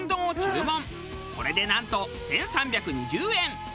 これでなんと１３２０円。